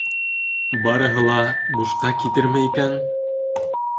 Барыһы ла бушҡа китерме икән?